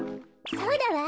そうだわ。